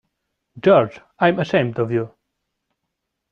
George, I am ashamed of you!